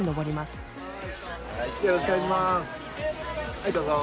はいどうぞ。